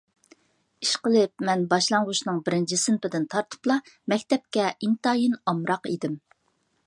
ئىشقىلىپ، مەن باشلانغۇچنىڭ بىرىنچى سىنىپىدىن تارتىپلا مەكتەپكە ئىنتايىن ئامراق ئىدىم.